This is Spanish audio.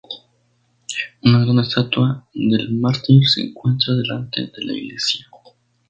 Una gran estatua del mártir se encuentra delante de la iglesia.